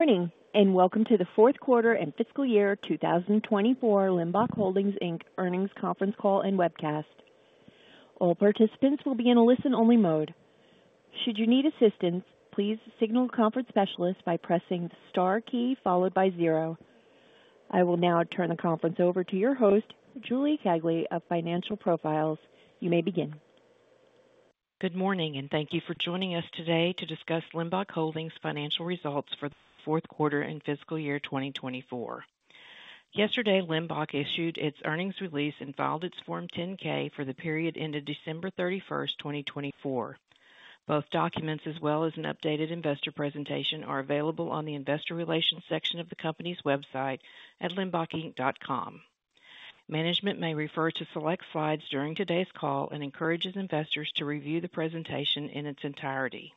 Morning, and welcome to the fourth quarter and fiscal year 2024 Limbach Holdings earnings conference call and webcast. All participants will be in a listen-only mode. Should you need assistance, please signal conference specialist by pressing the star key followed by zero. I will now turn the conference over to your host, Julie Kegley, of Financial Profiles. You may begin. Good morning, and thank you for joining us today to discuss Limbach Holdings' financial results for the fourth quarter and fiscal year 2024. Yesterday, Limbach issued its earnings release and filed its Form 10-K for the period ended December 31, 2024. Both documents, as well as an updated investor presentation, are available on the investor relations section of the company's website at limbachinc.com. Management may refer to select slides during today's call and encourages investors to review the presentation in its entirety.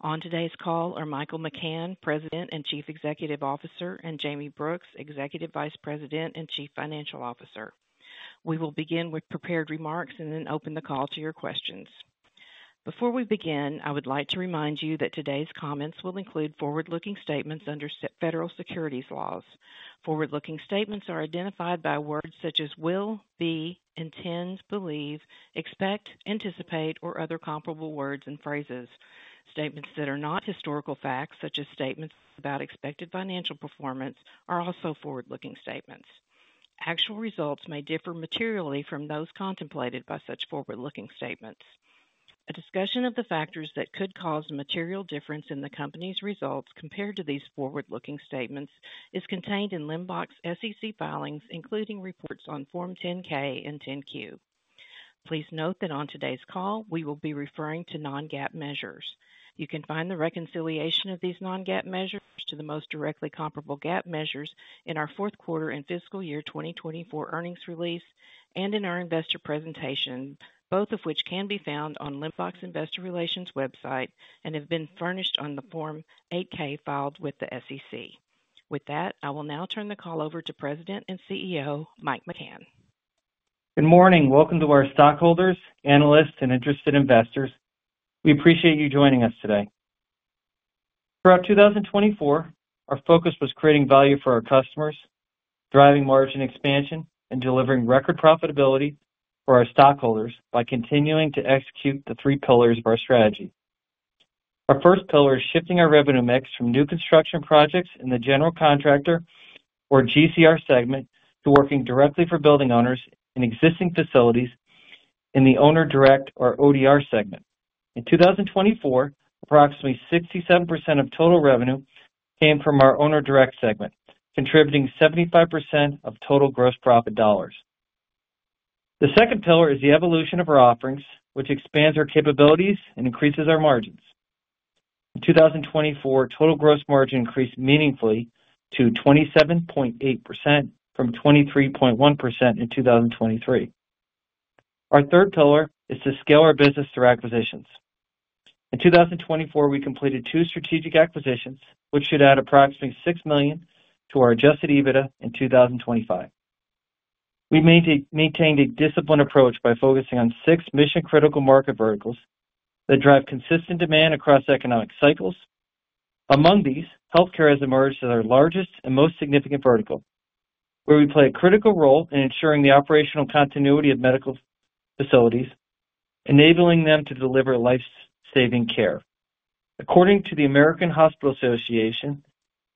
On today's call are Michael McCann, President and Chief Executive Officer, and Jayme Brooks, Executive Vice President and Chief Financial Officer. We will begin with prepared remarks and then open the call to your questions. Before we begin, I would like to remind you that today's comments will include forward-looking statements under federal securities laws. Forward-looking statements are identified by words such as will, be, intend, believe, expect, anticipate, or other comparable words and phrases. Statements that are not historical facts, such as statements about expected financial performance, are also forward-looking statements. Actual results may differ materially from those contemplated by such forward-looking statements. A discussion of the factors that could cause material difference in the company's results compared to these forward-looking statements is contained in Limbach's SEC filings, including reports on Form 10-K and 10-Q. Please note that on today's call, we will be referring to non-GAAP measures. You can find the reconciliation of these non-GAAP measures to the most directly comparable GAAP measures in our fourth quarter and fiscal year 2024 earnings release and in our investor presentation, both of which can be found on Limbach's investor relations website and have been furnished on the Form 8-K filed with the SEC. With that, I will now turn the call over to President and CEO Michael McCann. Good morning. Welcome to our stockholders, analysts, and interested investors. We appreciate you joining us today. Throughout 2024, our focus was creating value for our customers, driving margin expansion, and delivering record profitability for our stockholders by continuing to execute the three pillars of our strategy. Our first pillar is shifting our revenue mix from new construction projects in the general contractor or GCR segment to working directly for building owners in existing facilities in the owner-direct or ODR segment. In 2024, approximately 67% of total revenue came from our owner-direct segment, contributing 75% of total gross profit dollars. The second pillar is the evolution of our offerings, which expands our capabilities and increases our margins. In 2024, total gross margin increased meaningfully to 27.8% from 23.1% in 2023. Our third pillar is to scale our business through acquisitions. In 2024, we completed two strategic acquisitions, which should add approximately $6 million to our adjusted EBITDA in 2025. We maintained a disciplined approach by focusing on six mission-critical market verticals that drive consistent demand across economic cycles. Among these, healthcare has emerged as our largest and most significant vertical, where we play a critical role in ensuring the operational continuity of medical facilities, enabling them to deliver life-saving care. According to the American Hospital Association,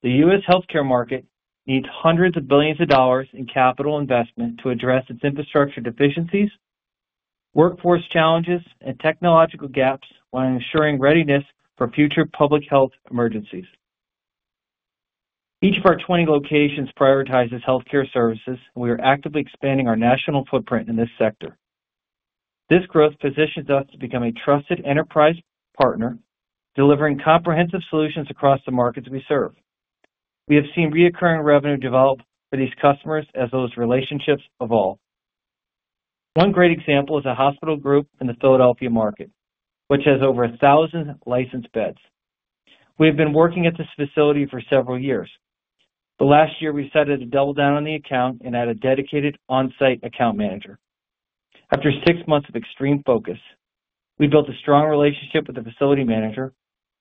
the U.S. healthcare market needs hundreds of billions of dollars in capital investment to address its infrastructure deficiencies, workforce challenges, and technological gaps while ensuring readiness for future public health emergencies. Each of our 20 locations prioritizes healthcare services, and we are actively expanding our national footprint in this sector. This growth positions us to become a trusted enterprise partner, delivering comprehensive solutions across the markets we serve. We have seen recurring revenue develop for these customers as those relationships evolve. One great example is a hospital group in the Philadelphia market, which has over 1,000 licensed beds. We have been working at this facility for several years. The last year, we decided to double down on the account and add a dedicated on-site account manager. After six months of extreme focus, we built a strong relationship with the facility manager,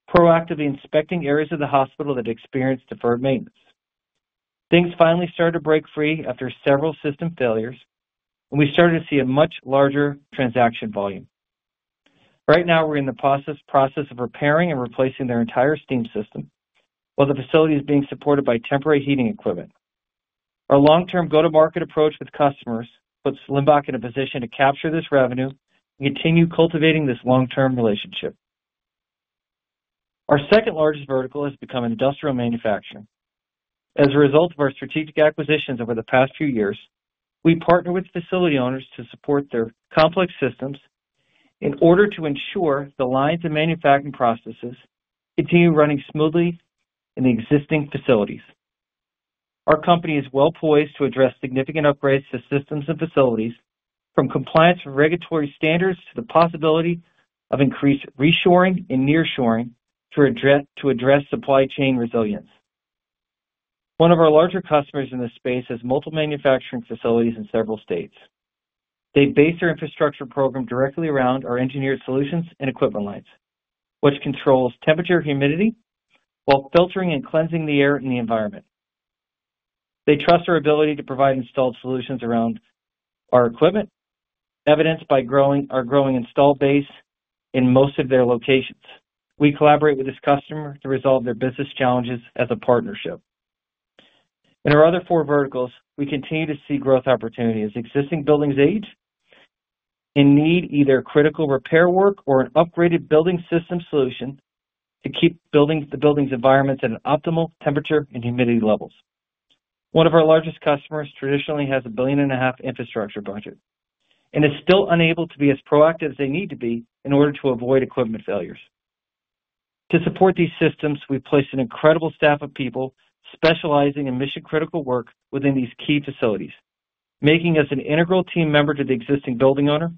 proactively inspecting areas of the hospital that experienced deferred maintenance. Things finally started to break free after several system failures, and we started to see a much larger transaction volume. Right now, we're in the process of repairing and replacing their entire steam system, while the facility is being supported by temporary heating equipment. Our long-term go-to-market approach with customers puts Limbach in a position to capture this revenue and continue cultivating this long-term relationship. Our second largest vertical has become industrial manufacturing. As a result of our strategic acquisitions over the past few years, we partner with facility owners to support their complex systems in order to ensure the lines and manufacturing processes continue running smoothly in the existing facilities. Our company is well poised to address significant upgrades to systems and facilities, from compliance with regulatory standards to the possibility of increased reshoring and nearshoring to address supply chain resilience. One of our larger customers in this space has multiple manufacturing facilities in several states. They base their infrastructure program directly around our engineered solutions and equipment lines, which controls temperature and humidity while filtering and cleansing the air and the environment. They trust our ability to provide installed solutions around our equipment, evidenced by our growing install base in most of their locations. We collaborate with this customer to resolve their business challenges as a partnership. In our other four verticals, we continue to see growth opportunities as existing buildings age and need either critical repair work or an upgraded building system solution to keep the building's environment at optimal temperature and humidity levels. One of our largest customers traditionally has a $1.5 billion infrastructure budget and is still unable to be as proactive as they need to be in order to avoid equipment failures. To support these systems, we've placed an incredible staff of people specializing in mission-critical work within these key facilities, making us an integral team member to the existing building owner.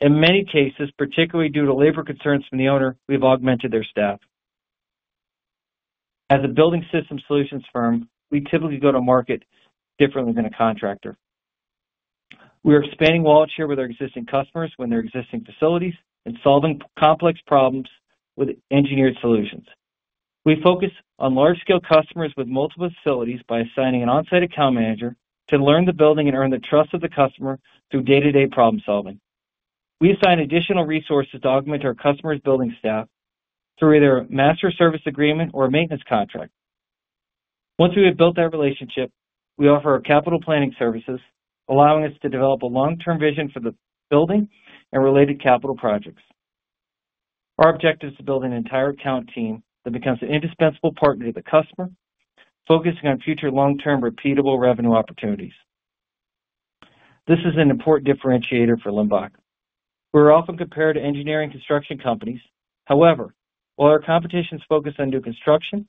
In many cases, particularly due to labor concerns from the owner, we've augmented their staff. As a building system solutions firm, we typically go to market differently than a contractor. We are expanding wallet share with our existing customers within their existing facilities and solving complex problems with engineered solutions. We focus on large-scale customers with multiple facilities by assigning an on-site account manager to learn the building and earn the trust of the customer through day-to-day problem-solving. We assign additional resources to augment our customers' building staff through either a master service agreement or a maintenance contract. Once we have built that relationship, we offer our capital planning services, allowing us to develop a long-term vision for the building and related capital projects. Our objective is to build an entire account team that becomes an indispensable partner to the customer, focusing on future long-term repeatable revenue opportunities. This is an important differentiator for Limbach. We are often compared to engineering construction companies. However, while our competition is focused on new construction,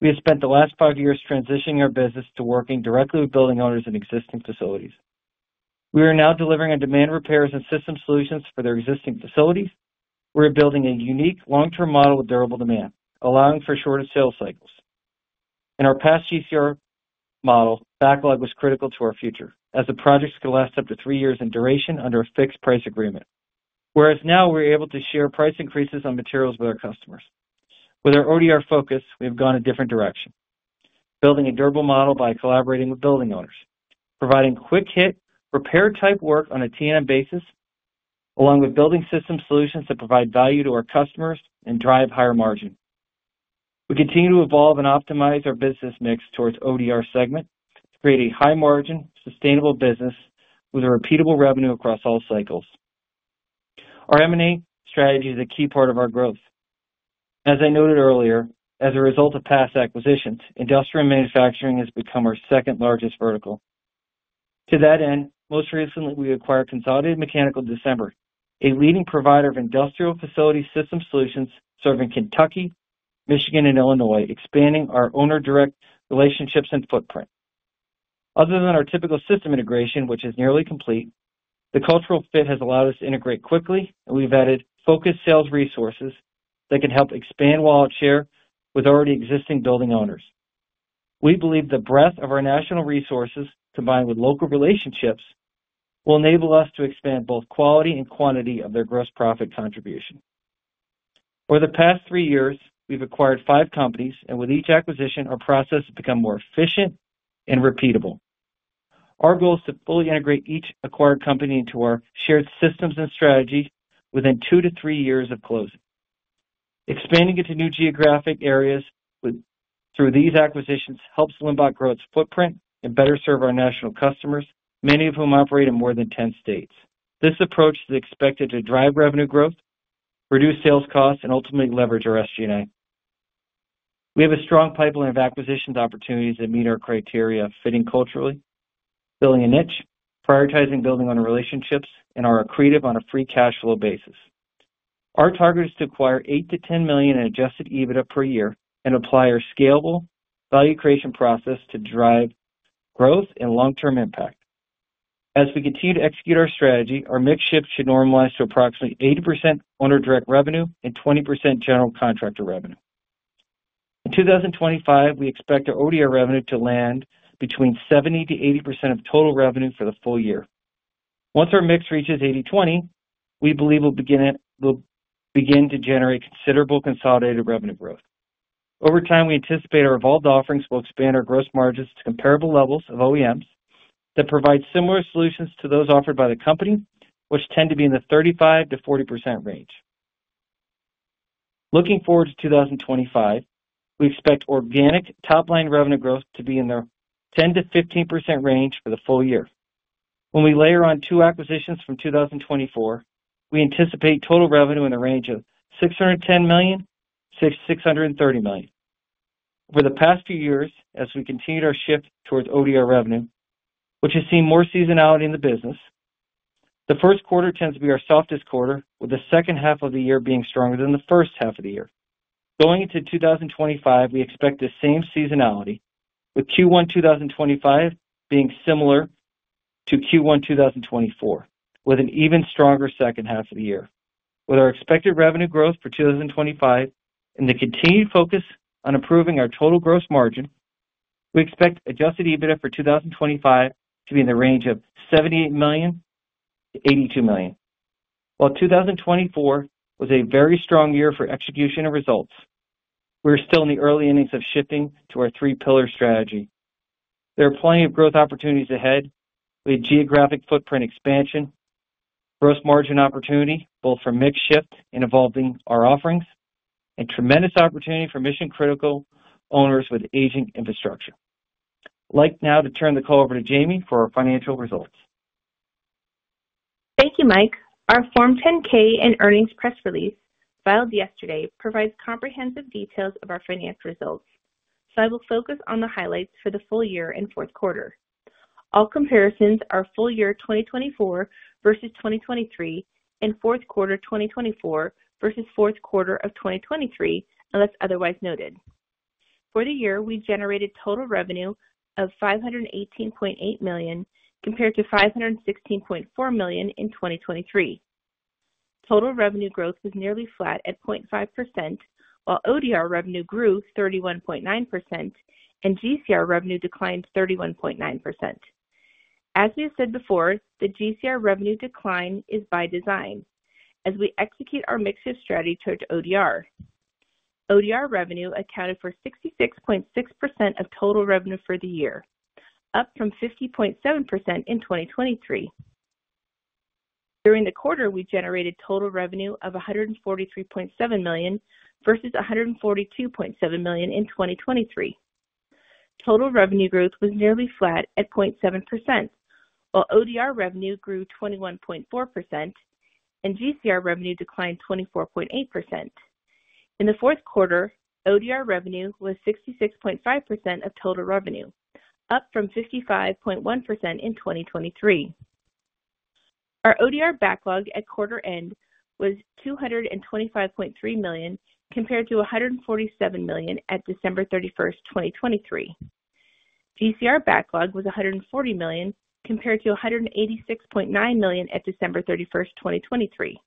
we have spent the last five years transitioning our business to working directly with building owners in existing facilities. We are now delivering on demand repairs and system solutions for their existing facilities. We're building a unique long-term model with durable demand, allowing for shorter sales cycles. In our past GCR model, backlog was critical to our future, as the projects could last up to three years in duration under a fixed price agreement, whereas now we're able to share price increases on materials with our customers. With our ODR focus, we have gone a different direction, building a durable model by collaborating with building owners, providing quick-hit repair-type work on a T&M basis, along with building system solutions that provide value to our customers and drive higher margin. We continue to evolve and optimize our business mix towards ODR segment to create a high-margin, sustainable business with a repeatable revenue across all cycles. Our M&A strategy is a key part of our growth. As I noted earlier, as a result of past acquisitions, industrial manufacturing has become our second largest vertical. To that end, most recently, we acquired Consolidated Mechanical in December, a leading provider of industrial facility system solutions serving Kentucky, Michigan, and Illinois, expanding our owner-direct relationships and footprint. Other than our typical system integration, which is nearly complete, the cultural fit has allowed us to integrate quickly, and we've added focused sales resources that can help expand wallet share with already existing building owners. We believe the breadth of our national resources, combined with local relationships, will enable us to expand both quality and quantity of their gross profit contribution. Over the past three years, we've acquired five companies, and with each acquisition, our process has become more efficient and repeatable. Our goal is to fully integrate each acquired company into our shared systems and strategy within two to three years of closing. Expanding into new geographic areas through these acquisitions helps Limbach grow its footprint and better serve our national customers, many of whom operate in more than 10 states. This approach is expected to drive revenue growth, reduce sales costs, and ultimately leverage our SG&A. We have a strong pipeline of acquisitions opportunities that meet our criteria of fitting culturally, filling a niche, prioritizing building on relationships, and are accretive on a free cash flow basis. Our target is to acquire $8-$10 million in adjusted EBITDA per year and apply our scalable value creation process to drive growth and long-term impact. As we continue to execute our strategy, our mix-shift should normalize to approximately 80% owner-direct revenue and 20% general contractor revenue. In 2025, we expect our ODR revenue to land between 70%-80% of total revenue for the full year. Once our mix reaches 80/20, we believe we'll begin to generate considerable consolidated revenue growth. Over time, we anticipate our evolved offerings will expand our gross margins to comparable levels of OEMs that provide similar solutions to those offered by the company, which tend to be in the 35%-40% range. Looking forward to 2025, we expect organic top-line revenue growth to be in the 10%-15% range for the full year. When we layer on two acquisitions from 2024, we anticipate total revenue in the range of $610 million-$630 million. Over the past few years, as we continued our shift towards ODR revenue, which has seen more seasonality in the business, the first quarter tends to be our softest quarter, with the second half of the year being stronger than the first half of the year. Going into 2025, we expect the same seasonality, with Q1 2025 being similar to Q1 2024, with an even stronger second half of the year. With our expected revenue growth for 2025 and the continued focus on improving our total gross margin, we expect adjusted EBITDA for 2025 to be in the range of $78 million-$82 million. While 2024 was a very strong year for execution and results, we are still in the early innings of shifting to our three-pillar strategy. There are plenty of growth opportunities ahead with geographic footprint expansion, gross margin opportunity both for mix shift and evolving our offerings, and tremendous opportunity for mission-critical owners with aging infrastructure. I'd like now to turn the call over to Jayme for our financial results. Thank you, Michael. Our Form 10-K and earnings press release filed yesterday provides comprehensive details of our finance results, so I will focus on the highlights for the full year and fourth quarter. All comparisons are full year 2024 versus 2023 and fourth quarter 2024 versus fourth quarter of 2023, unless otherwise noted. For the year, we generated total revenue of $518.8 million compared to $516.4 million in 2023. Total revenue growth was nearly flat at 0.5%, while ODR revenue grew 31.9% and GCR revenue declined 31.9%. As we have said before, the GCR revenue decline is by design as we execute our mix-shift strategy towards ODR. ODR revenue accounted for 66.6% of total revenue for the year, up from 50.7% in 2023. During the quarter, we generated total revenue of $143.7 million versus $142.7 million in 2023. Total revenue growth was nearly flat at 0.7%, while ODR revenue grew 21.4% and GCR revenue declined 24.8%. In the fourth quarter, ODR revenue was 66.5% of total revenue, up from 55.1% in 2023. Our ODR backlog at quarter end was $225.3 million compared to $147 million at December 31, 2023. GCR backlog was $140 million compared to $186.9 million at December 31, 2023.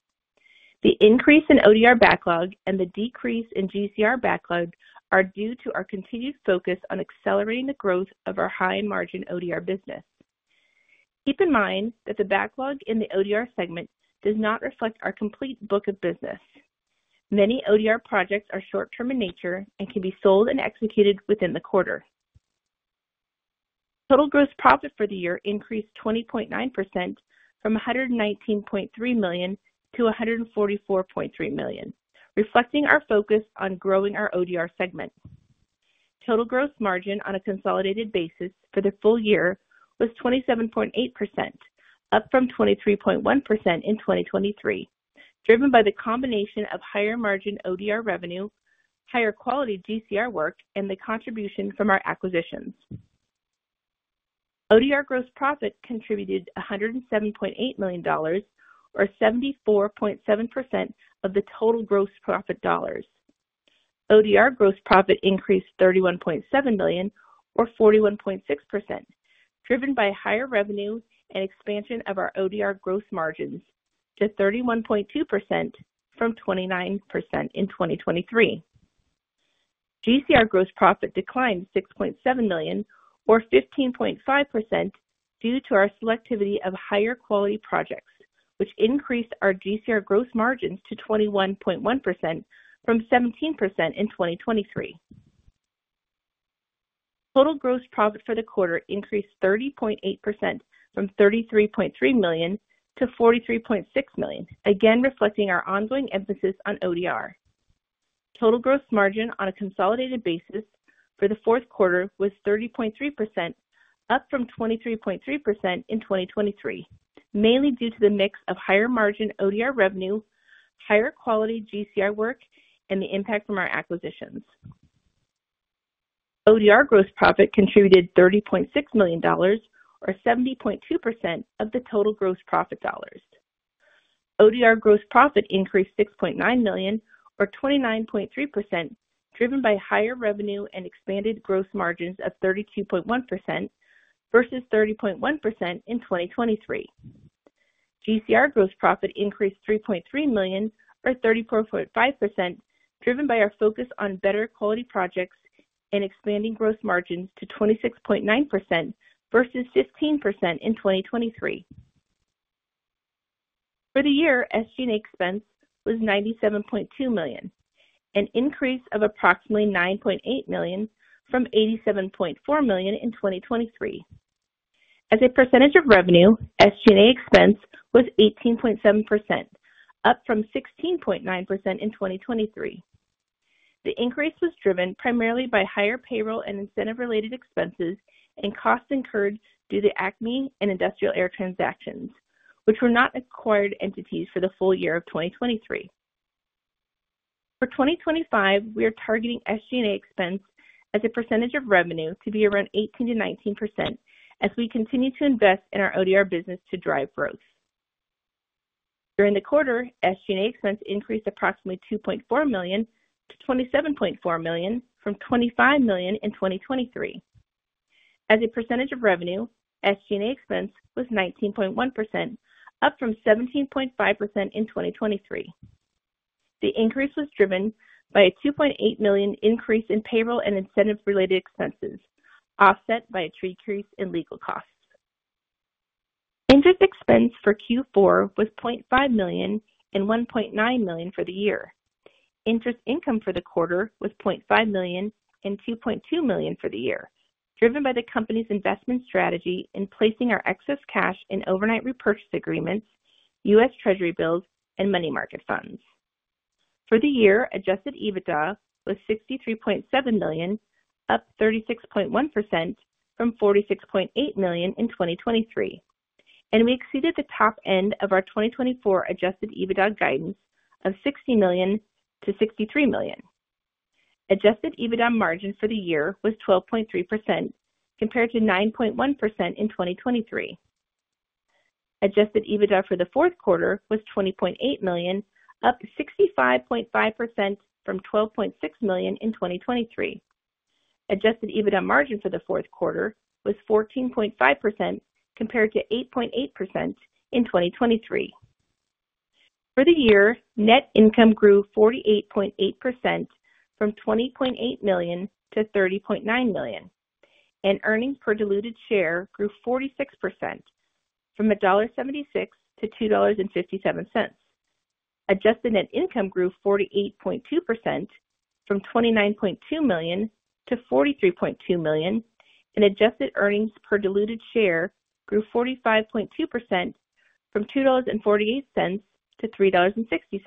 The increase in ODR backlog and the decrease in GCR backlog are due to our continued focus on accelerating the growth of our high-margin ODR business. Keep in mind that the backlog in the ODR segment does not reflect our complete book of business. Many ODR projects are short-term in nature and can be sold and executed within the quarter. Total gross profit for the year increased 20.9% from $119.3 million to $144.3 million, reflecting our focus on growing our ODR segment. Total gross margin on a consolidated basis for the full year was 27.8%, up from 23.1% in 2023, driven by the combination of higher margin ODR revenue, higher quality GCR work, and the contribution from our acquisitions. ODR gross profit contributed $107.8 million, or 74.7% of the total gross profit dollars. ODR gross profit increased $31.7 million, or 41.6%, driven by higher revenue and expansion of our ODR gross margins to 31.2% from 29% in 2023. GCR gross profit declined $6.7 million, or 15.5%, due to our selectivity of higher quality projects, which increased our GCR gross margins to 21.1% from 17% in 2023. Total gross profit for the quarter increased 30.8% from $33.3 million to $43.6 million, again reflecting our ongoing emphasis on ODR. Total gross margin on a consolidated basis for the fourth quarter was 30.3%, up from 23.3% in 2023, mainly due to the mix of higher margin ODR revenue, higher quality GCR work, and the impact from our acquisitions. ODR gross profit contributed $30.6 million, or 70.2% of the total gross profit dollars. ODR gross profit increased $6.9 million, or 29.3%, driven by higher revenue and expanded gross margins of 32.1% versus 30.1% in 2023. GCR gross profit increased $3.3 million, or 34.5%, driven by our focus on better quality projects and expanding gross margins to 26.9% versus 15% in 2023. For the year, SG&A expense was $97.2 million, an increase of approximately $9.8 million from $87.4 million in 2023. As a percentage of revenue, SG&A expense was 18.7%, up from 16.9% in 2023. The increase was driven primarily by higher payroll and incentive-related expenses and costs incurred due to Acme and Industrial Air transactions, which were not acquired entities for the full year of 2023. For 2025, we are targeting SG&A expense as a percentage of revenue to be around 18%-19% as we continue to invest in our ODR business to drive growth. During the quarter, SG&A expense increased approximately $2.4 million to $27.4 million from $25 million in 2023. As a percentage of revenue, SG&A expense was 19.1%, up from 17.5% in 2023. The increase was driven by a $2.8 million increase in payroll and incentive-related expenses, offset by a decrease in legal costs. Interest expense for Q4 was $0.5 million and $1.9 million for the year. Interest income for the quarter was $0.5 million and $2.2 million for the year, driven by the company's investment strategy in placing our excess cash in overnight repurchase agreements, U.S. Treasury bills, and money market funds. For the year, adjusted EBITDA was $63.7 million, up 36.1% from $46.8 million in 2023, and we exceeded the top end of our 2024 adjusted EBITDA guidance of $60 million-$63 million. Adjusted EBITDA margin for the year was 12.3% compared to 9.1% in 2023. Adjusted EBITDA for the fourth quarter was $20.8 million, up 65.5% from $12.6 million in 2023. Adjusted EBITDA margin for the fourth quarter was 14.5% compared to 8.8% in 2023. For the year, net income grew 48.8% from $20.8 million to $30.9 million, and earnings per diluted share grew 46% from $1.76 to $2.57. Adjusted net income grew 48.2% from $29.2 million to $43.2 million, and adjusted earnings per diluted share grew 45.2% from $2.48 to $3.60.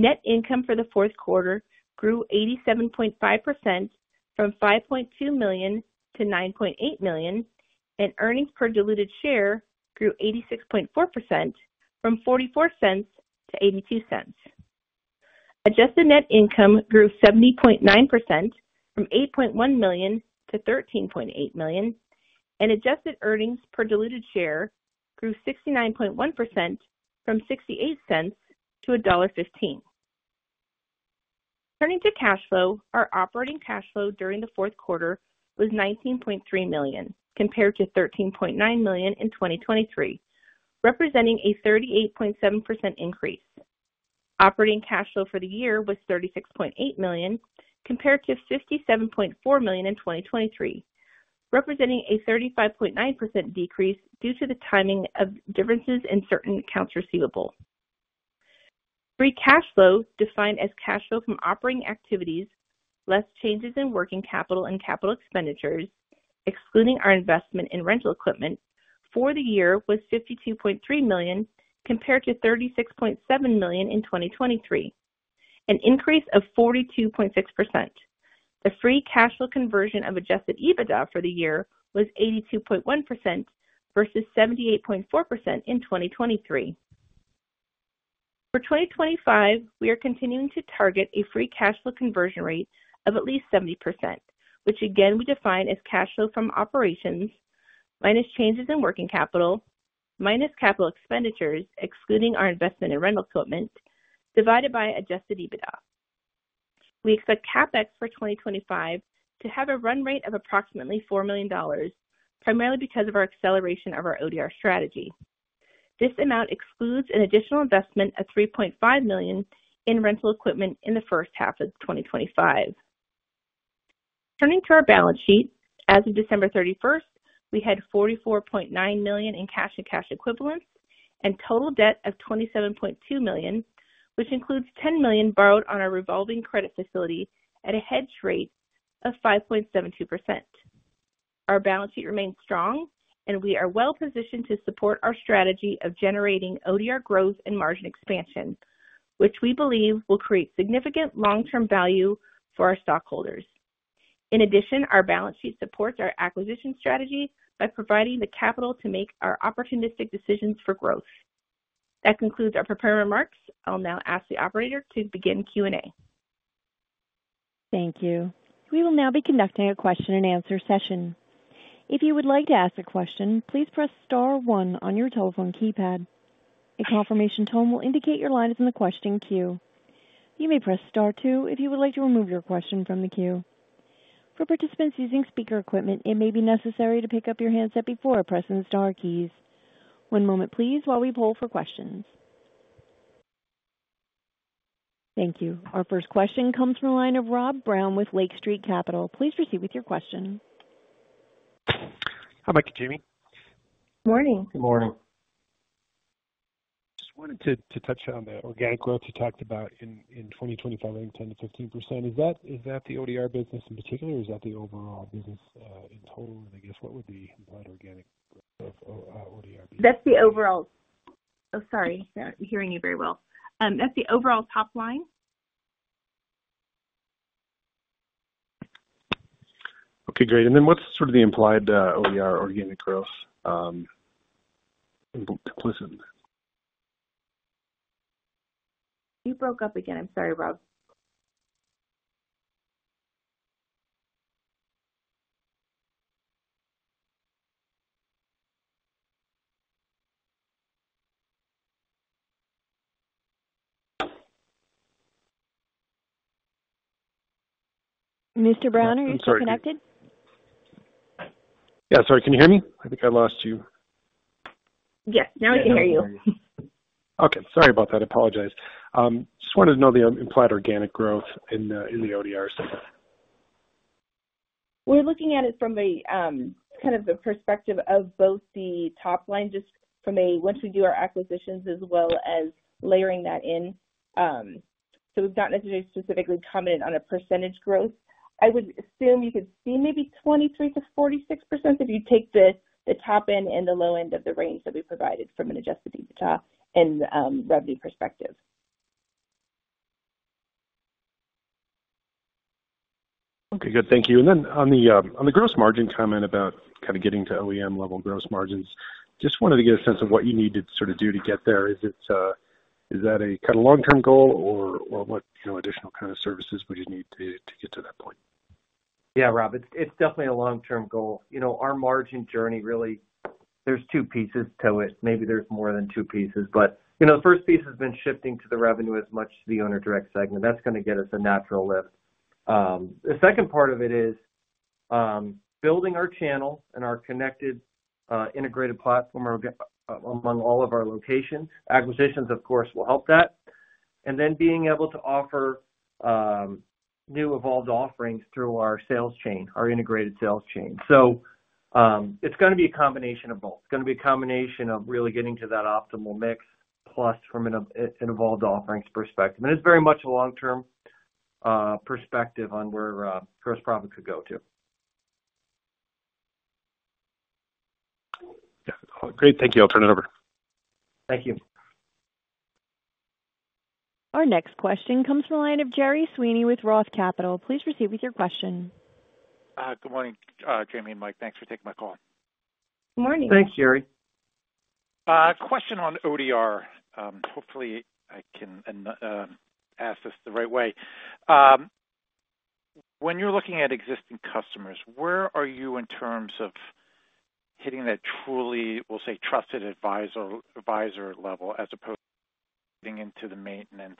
Net income for the fourth quarter grew 87.5% from $5.2 million to $9.8 million, and earnings per diluted share grew 86.4% from $0.44 to $0.82. Adjusted net income grew 70.9% from $8.1 million to $13.8 million, and adjusted earnings per diluted share grew 69.1% from $0.68 to $1.15. Turning to cash flow, our operating cash flow during the fourth quarter was $19.3 million compared to $13.9 million in 2023, representing a 38.7% increase. Operating cash flow for the year was $36.8 million compared to $57.4 million in 2023, representing a 35.9% decrease due to the timing of differences in certain accounts receivable. Free cash flow, defined as cash flow from operating activities, less changes in working capital and capital expenditures, excluding our investment in rental equipment for the year, was $52.3 million compared to $36.7 million in 2023, an increase of 42.6%. The free cash flow conversion of adjusted EBITDA for the year was 82.1% versus 78.4% in 2023. For 2025, we are continuing to target a free cash flow conversion rate of at least 70%, which again we define as cash flow from operations minus changes in working capital minus capital expenditures, excluding our investment in rental equipment, divided by adjusted EBITDA. We expect CAPEX for 2025 to have a run rate of approximately $4 million, primarily because of our acceleration of our ODR strategy. This amount excludes an additional investment of $3.5 million in rental equipment in the first half of 2025. Turning to our balance sheet, as of December 31, we had $44.9 million in cash and cash equivalents and total debt of $27.2 million, which includes $10 million borrowed on our revolving credit facility at a hedge rate of 5.72%. Our balance sheet remains strong, and we are well-positioned to support our strategy of generating ODR growth and margin expansion, which we believe will create significant long-term value for our stockholders. In addition, our balance sheet supports our acquisition strategy by providing the capital to make our opportunistic decisions for growth. That concludes our prepared remarks. I'll now ask the operator to begin Q&A. Thank you. We will now be conducting a question-and-answer session. If you would like to ask a question, please press Star one on your telephone keypad. A confirmation tone will indicate your line is in the question queue. You may press Star two if you would like to remove your question from the queue. For participants using speaker equipment, it may be necessary to pick up your handset before pressing the Star keys. One moment, please, while we poll for questions. Thank you. Our first question comes from a line of Robert Brown with Lake Street Capital. Please proceed with your question. Hi, Jayme. It's Jayme. Good morning. Good morning. Just wanted to touch on the organic growth you talked about in 2025, 10-15%. Is that the ODR business in particular, or is that the overall business in total? I guess what would be the organic growth of ODR? That's the overall—oh, sorry. I'm hearing you very well. That's the overall top line. Okay, great. What's sort of the implied ODR organic growth? You broke up again. I'm sorry, Robert. Mr. Brown, are you still connected? Yeah, sorry. Can you hear me? I think I lost you. Yes, now I can hear you. Okay, sorry about that. I apologize. Just wanted to know the implied organic growth in the ODR segment. We're looking at it from kind of the perspective of both the top line, just from once we do our acquisitions as well as layering that in. So we've gotten into specifically commented on a percentage growth. I would assume you could see maybe 23%-46% if you take the top end and the low end of the range that we provided from an adjusted EBITDA and revenue perspective. Okay, good. Thank you. Then on the gross margin comment about kind of getting to OEM-level gross margins, just wanted to get a sense of what you need to sort of do to get there. Is that a kind of long-term goal, or what additional kind of services would you need to get to that point? Yeah, Robert, it's definitely a long-term goal. Our margin journey really, there's two pieces to it. Maybe there's more than two pieces, but the first piece has been shifting to the revenue as much as the owner-direct segment. That's going to get us a natural lift. The second part of it is building our channel and our connected integrated platform among all of our locations. Acquisitions, of course, will help that. Being able to offer new evolved offerings through our sales chain, our integrated sales chain. It's going to be a combination of both. It's going to be a combination of really getting to that optimal mix plus from an evolved offerings perspective. It is very much a long-term perspective on where gross profits would go to. Great. Thank you. I'll turn it over. Thank you. Our next question comes from a line of Gerry Sweeney with Roth Capital. Please proceed with your question. Good morning, Jamie and Mike. Thanks for taking my call. Good morning. Thanks, Gerry. Question on ODR. Hopefully, I can ask this the right way. When you're looking at existing customers, where are you in terms of hitting that truly, we'll say, trusted advisor level as opposed to getting into the maintenance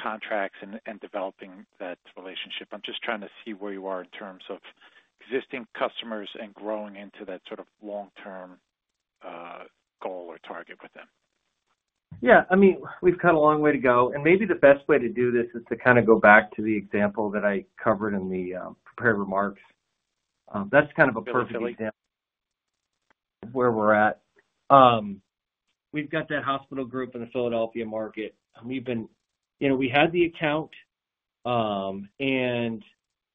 contracts and developing that relationship? I'm just trying to see where you are in terms of existing customers and growing into that sort of long-term goal or target with them. Yeah, I mean, we've got a long way to go. Maybe the best way to do this is to kind of go back to the example that I covered in the prepared remarks. That's kind of a perfect example of where we're at. We've got that hospital group in the Philadelphia market. We had the account, and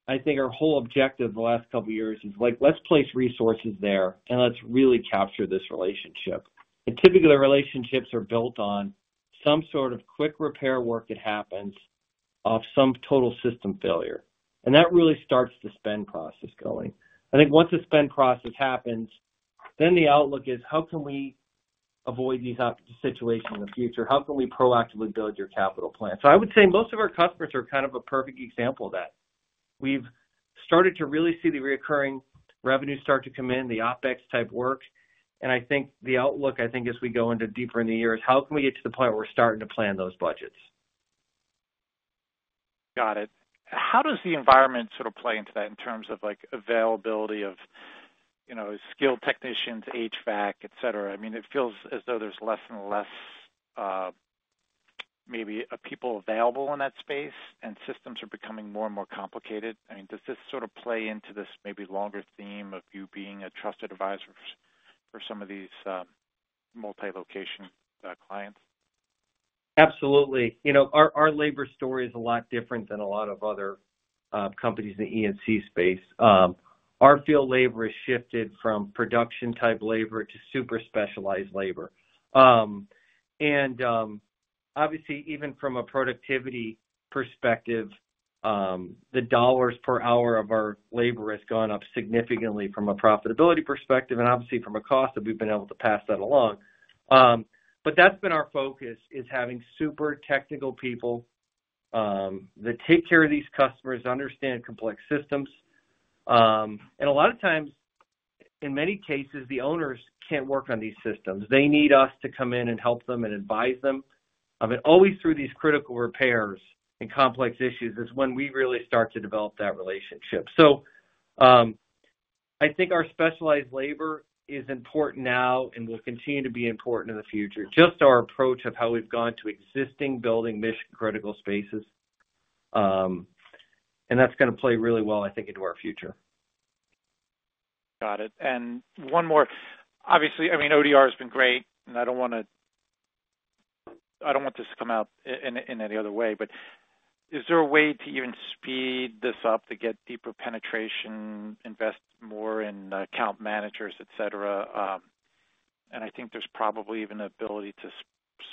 I think our whole objective the last couple of years is, like, let's place resources there and let's really capture this relationship. Typically, the relationships are built on some sort of quick repair work that happens off some total system failure. That really starts the spend process going. I think once the spend process happens, then the outlook is, how can we avoid these situations in the future? How can we proactively build your capital plan? I would say most of our customers are kind of a perfect example of that. We've started to really see the recurring revenue start to come in, the OPEX-type work. I think the outlook, I think, as we go deeper in the year is, how can we get to the point where we're starting to plan those budgets? Got it. How does the environment sort of play into that in terms of availability of skilled technicians, HVAC, etc.? I mean, it feels as though there's less and less maybe of people available in that space, and systems are becoming more and more complicated. I mean, does this sort of play into this maybe longer theme of you being a trusted advisor for some of these multi-location clients? Absolutely. Our labor story is a lot different than a lot of other companies in the E&C space. Our field labor has shifted from production-type labor to super specialized labor. Obviously, even from a productivity perspective, the dollars per hour of our labor has gone up significantly from a profitability perspective and obviously from a cost that we've been able to pass that along. That has been our focus, having super technical people that take care of these customers, understand complex systems. In many cases, the owners cannot work on these systems. They need us to come in and help them and advise them. Always through these critical repairs and complex issues is when we really start to develop that relationship. I think our specialized labor is important now and will continue to be important in the future. Just our approach of how we've gone to existing building mission-critical spaces. That is going to play really well, I think, into our future. Got it. One more. Obviously, I mean, ODR has been great, and I don't want to—I don't want this to come out in any other way, but is there a way to even speed this up to get deeper penetration, invest more in account managers, etc.? I think there's probably even an ability to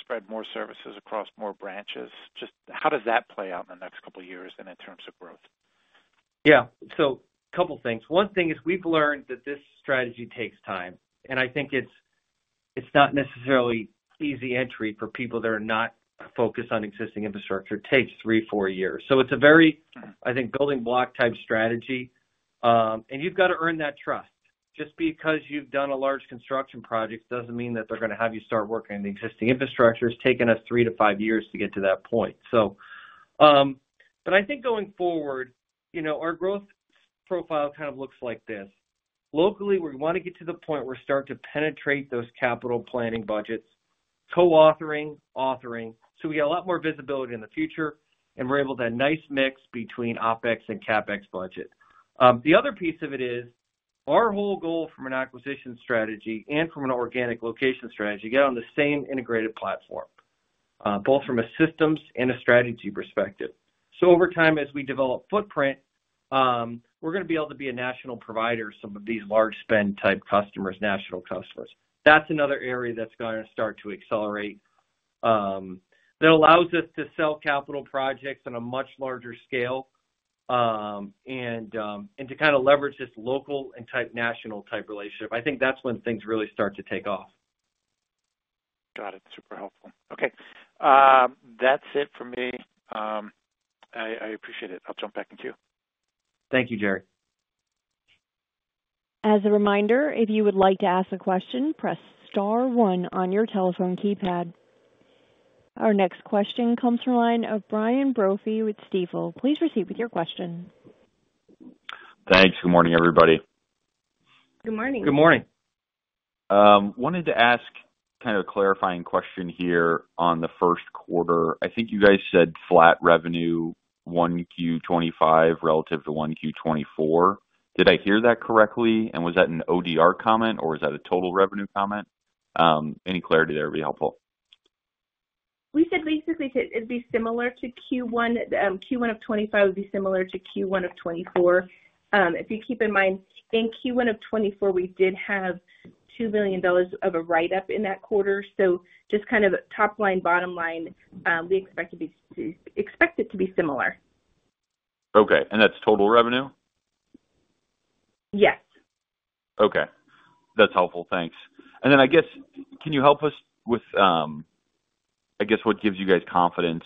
spread more services across more branches. Just how does that play out in the next couple of years then in terms of growth? Yeah. A couple of things. One thing is we've learned that this strategy takes time. I think it's not necessarily easy entry for people that are not focused on existing infrastructure. It takes three, four years. It's a very, I think, building block type strategy. You've got to earn that trust. Just because you've done a large construction project doesn't mean that they're going to have you start working on the existing infrastructure. It's taken us three to five years to get to that point. I think going forward, our growth profile kind of looks like this. Locally, we want to get to the point where we're starting to penetrate those capital planning budgets, co-authoring, authoring. We get a lot more visibility in the future, and we're able to have a nice mix between OPEX and CAPEX budget. The other piece of it is our whole goal from an acquisition strategy and from an organic location strategy is to get on the same integrated platform, both from a systems and a strategy perspective. Over time, as we develop footprint, we're going to be able to be a national provider to some of these large spend-type customers, national customers. That's another area that's going to start to accelerate that allows us to sell capital projects on a much larger scale and to kind of leverage this local and type national type relationship. I think that's when things really start to take off. Got it. Super helpful. Okay. That's it for me. I appreciate it. I'll jump back into you. Thank you, Gerry. As a reminder, if you would like to ask a question, press Star one on your telephone keypad. Our next question comes from a line of Brian Brophy with Stifel. Please proceed with your question. Thanks. Good morning, everybody. Good morning. Good morning. Wanted to ask kind of a clarifying question here on the first quarter. I think you guys said flat revenue one Q25 relative to one Q24. Did I hear that correctly? And was that an ODR comment, or was that a total revenue comment? Any clarity there would be helpful. We said basically it'd be similar to Q1. Q1 of 2025 would be similar to Q1 of 2024. If you keep in mind, in Q1 of 2024, we did have $2 million of a write-up in that quarter. So just kind of top line, bottom line, we expect it to be similar. Okay. And that's total revenue? Yes. Okay. That's helpful. Thanks. I guess, can you help us with, I guess, what gives you guys confidence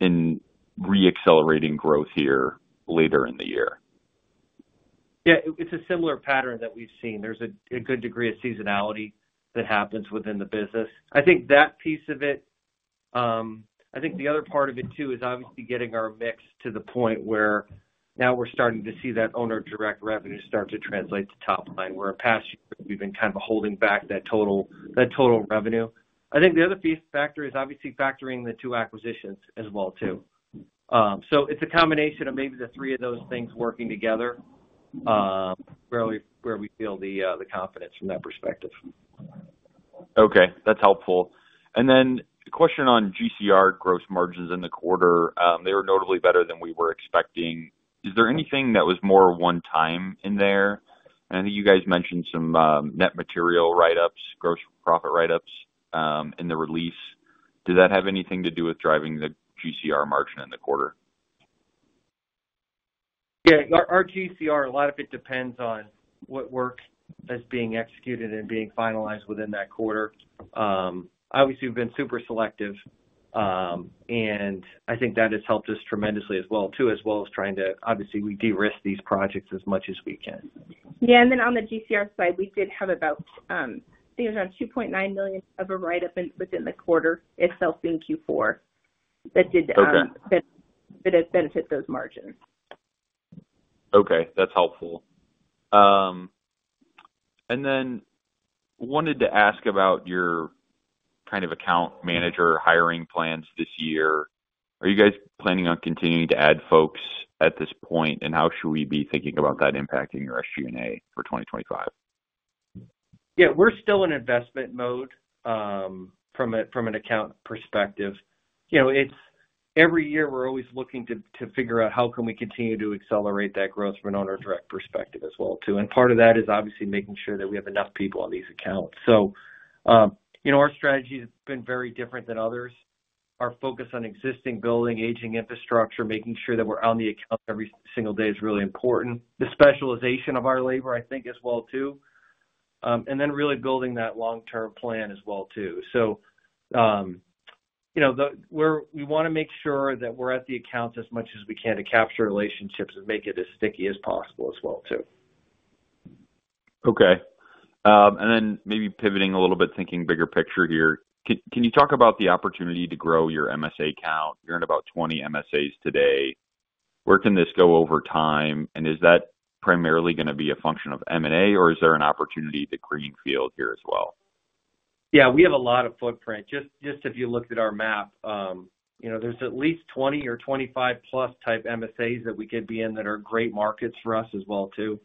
in re-accelerating growth here later in the year? Yeah. It's a similar pattern that we've seen. There's a good degree of seasonality that happens within the business. I think that piece of it. I think the other part of it too is obviously getting our mix to the point where now we're starting to see that owner-direct revenue start to translate to top line, where in past years, we've been kind of holding back that total revenue. I think the other factor is obviously factoring the two acquisitions as well too. So it's a combination of maybe the three of those things working together where we feel the confidence from that perspective. Okay. That's helpful. Then question on GCR gross margins in the quarter. They were notably better than we were expecting. Is there anything that was more one-time in there? I think you guys mentioned some net material write-ups, gross profit write-ups in the release. Did that have anything to do with driving the GCR margin in the quarter? Yeah. Our GCR, a lot of it depends on what work is being executed and being finalized within that quarter. Obviously, we've been super selective, and I think that has helped us tremendously as well too, as well as trying to obviously de-risk these projects as much as we can. Yeah. On the GCR side, we did have about, I think it was around $2.9 million of a write-up within the quarter itself in Q4 that did benefit those margins. Okay. That's helpful. I wanted to ask about your kind of account manager hiring plans this year. Are you guys planning on continuing to add folks at this point, and how should we be thinking about that impacting your SG&A for 2025? Yeah. We're still in investment mode from an account perspective. Every year, we're always looking to figure out how can we continue to accelerate that growth from an owner-direct perspective as well too. Part of that is obviously making sure that we have enough people on these accounts. Our strategy has been very different than others. Our focus on existing building, aging infrastructure, making sure that we're on the account every single day is really important. The specialization of our labor, I think, as well too. Then really building that long-term plan as well too. We want to make sure that we're at the accounts as much as we can to capture relationships and make it as sticky as possible as well too. Okay. Maybe pivoting a little bit, thinking bigger picture here. Can you talk about the opportunity to grow your MSA count? You're in about 20 MSAs today. Where can this go over time? Is that primarily going to be a function of M&A, or is there an opportunity to greenfield here as well? Yeah. We have a lot of footprint. Just if you looked at our map, there are at least 20 or 25-plus type MSAs that we could be in that are great markets for us as well too.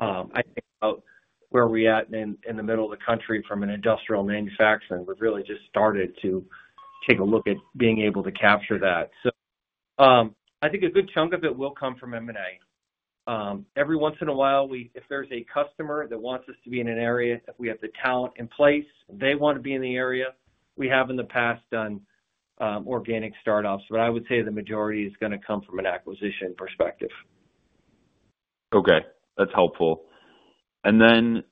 I think about where we are at in the middle of the country from an industrial manufacturing. We have really just started to take a look at being able to capture that. I think a good chunk of it will come from M&A. Every once in a while, if there is a customer that wants us to be in an area that we have the talent in place, they want to be in the area. We have in the past done organic startups, but I would say the majority is going to come from an acquisition perspective. Okay. That's helpful. Then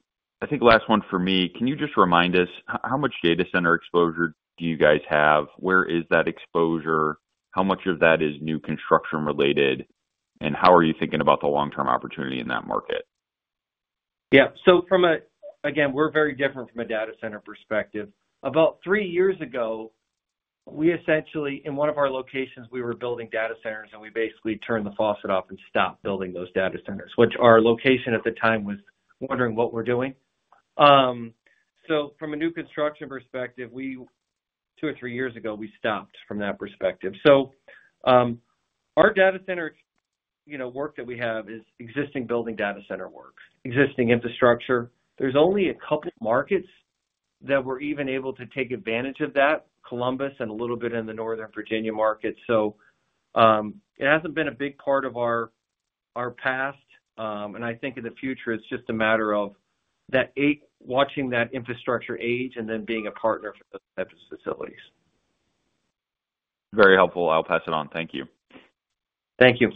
I think last one for me. Can you just remind us how much data center exposure do you guys have? Where is that exposure? How much of that is new construction related? How are you thinking about the long-term opportunity in that market? Yeah. We are very different from a data center perspective. About three years ago, we essentially, in one of our locations, we were building data centers, and we basically turned the faucet off and stopped building those data centers, which our location at the time was wondering what we were doing. From a new construction perspective, two or three years ago, we stopped from that perspective. Our data center work that we have is existing building data center work, existing infrastructure. There's only a couple of markets that we're even able to take advantage of that: Columbus and a little bit in the Northern Virginia market. It hasn't been a big part of our past. I think in the future, it's just a matter of watching that infrastructure age and then being a partner for those types of facilities. Very helpful. I'll pass it on. Thank you. Thank you.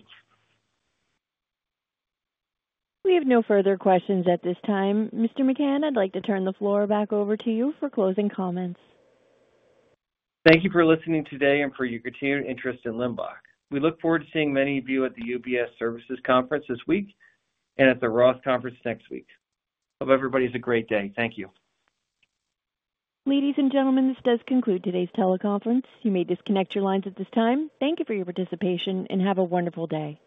We have no further questions at this time. Mr. McCann, I'd like to turn the floor back over to you for closing comments. Thank you for listening today and for your continued interest in Limbach. We look forward to seeing many of you at the UBS Services Conference this week and at the Roth Conference next week. Hope everybody has a great day. Thank you. Ladies and gentlemen, this does conclude today's teleconference. You may disconnect your lines at this time. Thank you for your participation, and have a wonderful day.